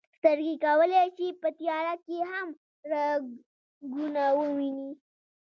سترګې کولی شي په تیاره کې هم رنګونه وویني.